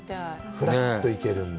ふらっと行けるんで。